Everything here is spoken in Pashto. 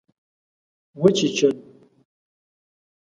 وچیچل